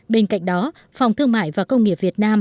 bên cạnh đó phòng thương mại và công nghiệp việt nam